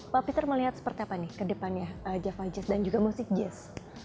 pak peter melihat seperti apa nih ke depannya java jazz dan juga musik jazz